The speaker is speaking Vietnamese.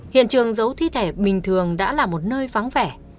hiện trường giấu thi thể bình thường đã là một nơi vắng vẻ